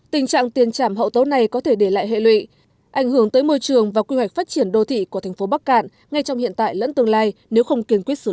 tình trạng tiền trảm hậu tấu này có thể để lại hệ lụy ảnh hưởng tới môi trường và quy hoạch phát triển đô thị của thành phố bắc cạn ngay trong hiện tại lẫn tương lai nếu không kiên quyết xử lý